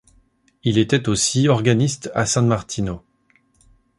Il était aussi organiste à San Martino.